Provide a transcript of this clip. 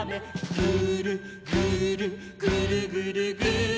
「ぐーるぐーるぐるぐるぐーる」